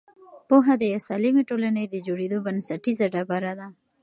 پوهه د یوې سالکې ټولنې د جوړېدو بنسټیزه ډبره ده.